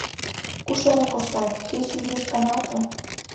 Куш эре коштат, кеч изиш каналте.